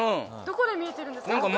どこで見えてるんですか？